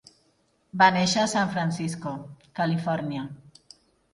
Va néixer a San Francisco, Califòrnia.